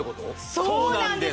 そうなんです